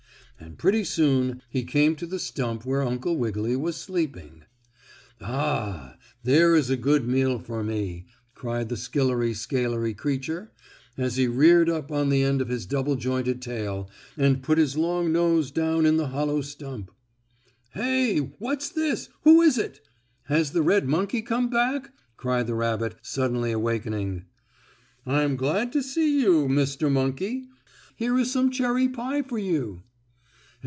And pretty soon he came to the stump where Uncle Wiggily was sleeping. "Ah, there is a good meal for me!" cried the skillery scalery creature, as he reared up on the end of his double jointed tail and put his long nose down in the hollow stump. "Hey! What's this? Who is it? Has the red monkey come back?" cried the rabbit, suddenly awakening. "I'm glad to see you, Mr. Monkey. Here is some cherry pie for you."